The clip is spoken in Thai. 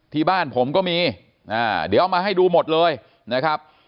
ที่บ้านผมก็มีเดี๋ยวเอามาให้ดูหมดเลยนะครับ